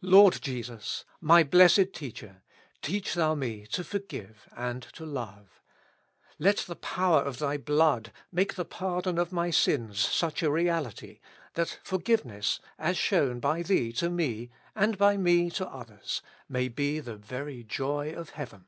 Lord Jesus ! my Blessed Teacher ! teach Thou me to forgive and to love. Let the power of Thy blood make the pardon of my sins such a reality, that for giveness, as shown by Thee to me, and by me to others, may be the very joy of heaven.